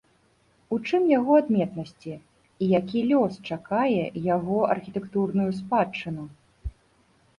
У чым яго адметнасці і які лёс чакае яго архітэктурную спадчыну?